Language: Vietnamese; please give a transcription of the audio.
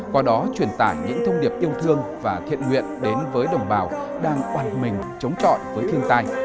qua đó truyền tải những thông điệp yêu thương và thiện nguyện đến với đồng bào đang oàn mình chống trọi với thiên tai